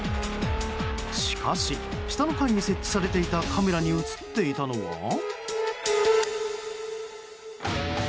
しかし、下の階に設置されていたカメラに映っていたのは。